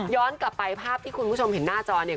กลับไปภาพที่คุณผู้ชมเห็นหน้าจอเนี่ย